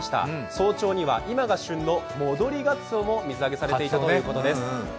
早朝には今が旬の戻りガツオも水揚げされていたということです。